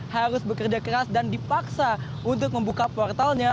harus bekerja keras dan dipaksa untuk membuka portalnya